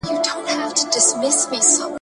سازمانونه چیري نوي ډیپلوماټیک اسناد ساتي؟